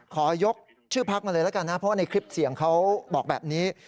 ขอยกชื่อพักมาเลยแล้วกันนะเพราะว่าในคลิปเสียงเขาบอกแบบนี้